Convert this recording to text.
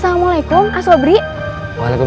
sampai jumpa lagi